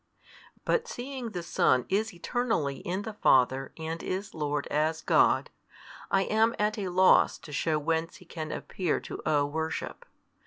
But seeing the Son is eternally in the Father and is Lord as God, I am at a loss to shew whence He can appear to owe worship.